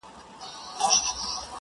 کوڅو اخیستي دي ماشوم زخمونه!